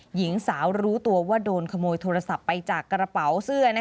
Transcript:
หญิงสาวรู้ตัวว่าโดนขโมยโทรศัพท์ไปจากกระเป๋าเสื้อ